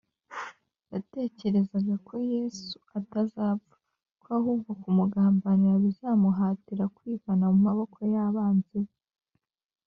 yatekerezaga ko yesu atazapfa, ko ahubwo kumugambanira bizamuhatira kwivana mu maboko y’abanzi be